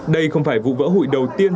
đây không phải vụ vỡ hụi đầu tiên